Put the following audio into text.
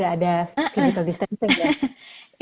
ada physical distancing ya